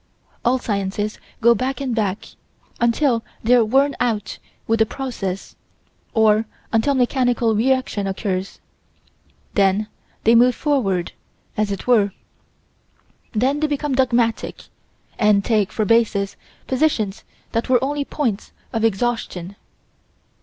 All sciences go back and back, until they're worn out with the process, or until mechanical reaction occurs: then they move forward as it were. Then they become dogmatic, and take for bases, positions that were only points of exhaustion.